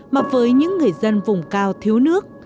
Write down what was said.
mà với những người dân vùng cao thiếu nước